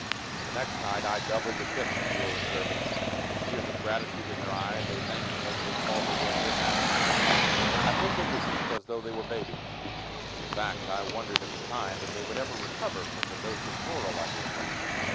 The next night I doubled the tips to the old servants. With tears of gratitude in their eyes, they thanked me as they called me their dear master. I put them to sleep as though they were babies. In fact, I wondered at the time if they would ever recover from the dose of chloral I gave them.